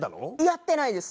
やってないです。